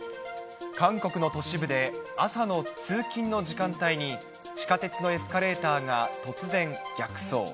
韓国の都市部で朝の通勤の時間帯に、地下鉄のエスカレーターが突然逆走。